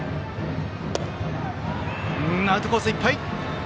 アウトコースいっぱい！